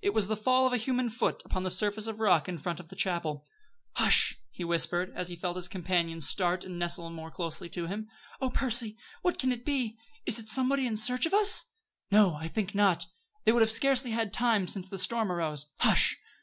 It was the fall of a human foot upon the surface of rock in front of the chapel! "Hush!" he whispered, as he felt his companion start and nestle more closely to him. "Oh, Percy! What can it be? Is it somebody in search of us?" "No; I think not. They would have scarcely had time since the storm arose. Hush!